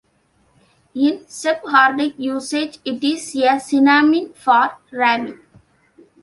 In Sephardic usage it is a synonym for "rabbi".